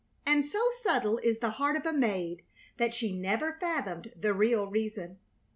And so subtle is the heart of a maid that she never fathomed the real reason.